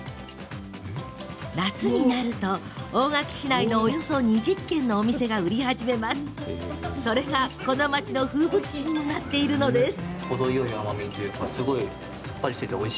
夏になると、大垣市内のおよそ２０軒のお店が売り始めこの町の風物詩にもなっているのです。